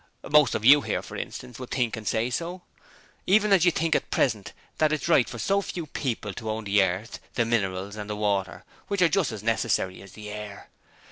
Most of you here, for instance, would think and say so. Even as you think at present that it's right for so few people to own the Earth, the Minerals and the Water, which are all just as necessary as is the air.